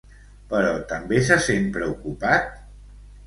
Però també se sent preocupat?